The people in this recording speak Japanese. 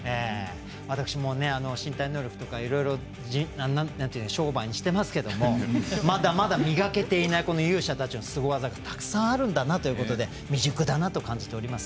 私も身体能力とか、いろいろ商売にしてますけども、まだまだ磨けていない勇者たちのすご技がたくさんあるんだなということで未熟だなと感じています。